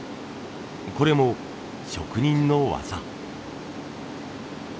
これも職人の技。